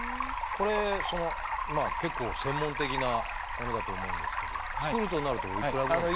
これ結構専門的なものだと思うんですけど作るとなるとおいくらぐらい？